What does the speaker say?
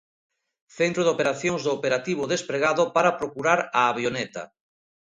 Centro de operacións do operativo despregado para procurar a avioneta.